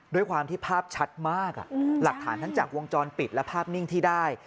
ด้วยความที่ภาพชัดมากหลักฐานทั้งจากวงจรปิดและภาพนิ่งที่ได้